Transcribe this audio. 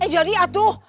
eh jadi atuh